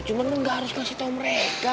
cuma lu gak harus ngasih tau mereka